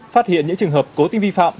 phát hiện những trường hợp cố tình vi phạm